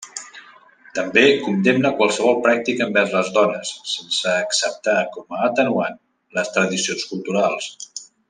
També condemna qualsevol pràctica envers les dones, sense acceptar com a atenuant les tradicions culturals.